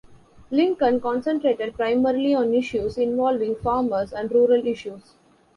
Lincoln concentrated primarily on issues involving farmers and rural issues.